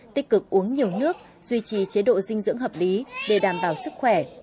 tích cực uống nhiều nước duy trì chế độ dinh dưỡng hợp lý để đảm bảo sức khỏe